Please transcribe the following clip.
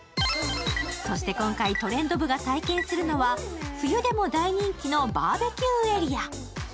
今回「トレンド部」が体験するのは冬でも大人気のバーベキューエリア。